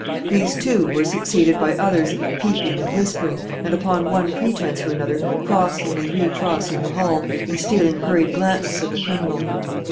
These, too, were succeeded by others, peeping and whispering, and upon one pretence or another crossing and re crossing the hall, and stealing hurried glances at the criminal.